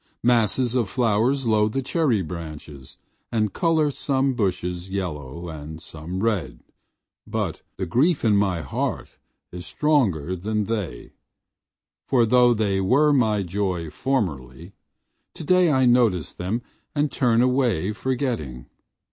Masses of flowers load the cherry branches and color some bushes yellow and some red but the grief in my heart is stronger than they for though they were my joy formerly, today I notice them and turn away forgetting.